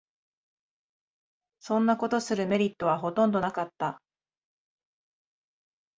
そんなことするメリットはほとんどなかった